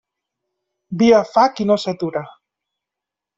Via fa qui no s'atura.